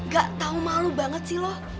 gak tau malu banget sih loh